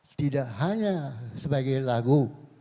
tidak hanya sebagai lagu